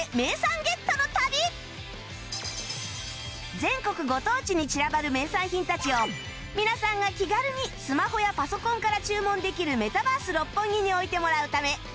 全国ご当地に散らばる名産品たちを皆さんが気軽にスマホやパソコンから注文できるメタバース六本木に置いてもらうため